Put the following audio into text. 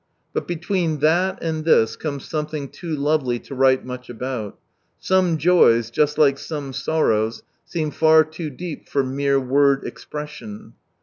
But between that, and this, comes something loo lovely to write much about Some joys, just hke some sorrows, seem far too deep for mere word expression.